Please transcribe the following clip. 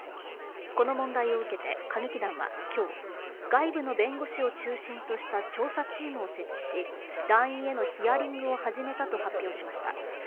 この問題を受けて歌劇団は今日、外部の弁護士を中心とした調査チームを設置し、団員へのヒアリングを始めたと発表しました。